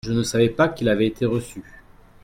Je ne savais pas qu'il avait été reçu.